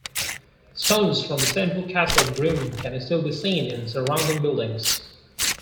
Stones from the central castle ruin can still be seen in surrounding buildings.